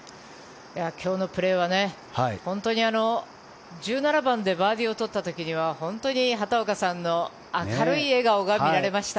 今日のプレーは本当に１７番でバーディーを取った時には畑岡さんの明るい笑顔が見られました。